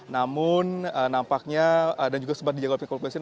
namun nampaknya dan juga sempat dijaga oleh pihak kepolisian